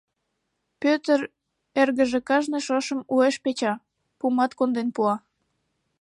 Пӧтыр эргыже кажне шошым уэш печа, пумат конден пуа.